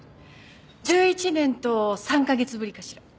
１１年と３カ月ぶりかしら？